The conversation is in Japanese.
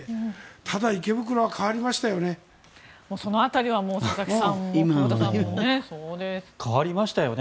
ただ池袋は変わりましたよね。